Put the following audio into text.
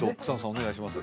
お願いします